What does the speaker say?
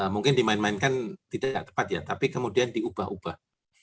mungkin dimainkan tidak tepat ya tapi kemudian diubah ubah